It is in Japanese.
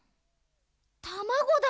たまごだ。